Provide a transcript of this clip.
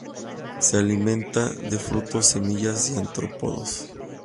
Se alimenta de frutos, semillas y artrópodos.